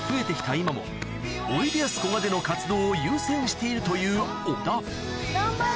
今もおいでやすこがでの活動を優先しているという小田頑張れ